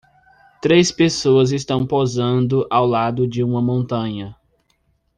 Três pessoas estão posando ao lado de uma montanha.